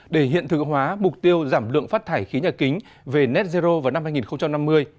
để hiện thực hóa mục tiêu giảm lượng phát thải khí nhà kính về net zero vào năm hai nghìn năm mươi